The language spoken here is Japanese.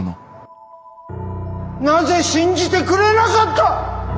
なぜ信じてくれなかった！